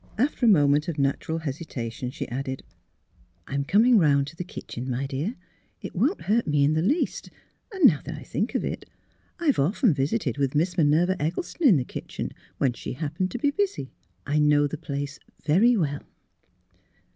After a moment of natural hesitation she added : ''I'm coming 'round to the kitchen, my dear. It won't hurt me in the least, and now that I think of it I've often visited with Miss Minerva Eggles ton in the kitchen, when she happened to be busy. I know the place very well."